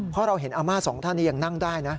เพราะเราเห็นอาม่าสองท่านนี้ยังนั่งได้นะ